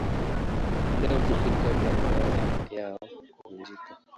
Muda mfupi kabla ya ndoa yao kuvunjika.